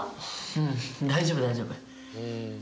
うん大丈夫大丈夫。